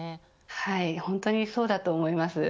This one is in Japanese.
はい、本当にそうだと思います。